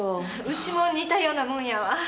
ウチも似たようなもんやわ。